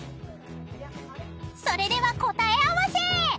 ［それでは答え合わせ！］